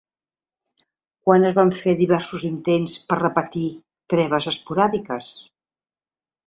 Quan es van fer diversos intents per repetir treves esporàdiques?